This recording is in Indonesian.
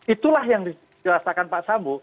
itulah yang dijelaskan pak sambo